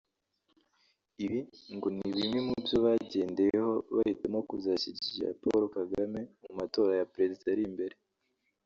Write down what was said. Ibi ngo ni bimwe mu byo bagendeyeho bahitamo kuzashyigikira Paul Kagame mu matora ya Perezida ari imbere